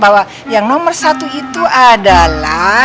bahwa yang nomor satu itu adalah